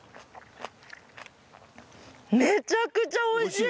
めちゃくちゃおいしい！